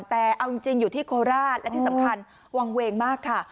แต่เอาจริงอยู่ที่โคราชและที่สำคัญวางเวงมากค่ะ